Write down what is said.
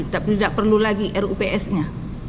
tapi tidak perlu lagi rups nya